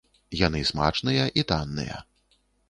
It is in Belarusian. Яны смачныя і танныя.